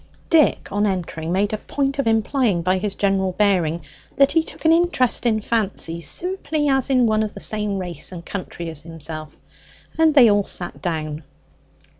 Dick on entering made a point of implying by his general bearing that he took an interest in Fancy simply as in one of the same race and country as himself; and they all sat down.